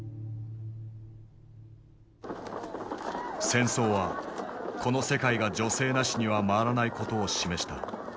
戦争はこの世界が女性なしには回らないことを示した。